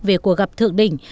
về cuộc gặp thượng đỉnh